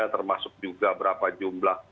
termasuk juga berapa jumlah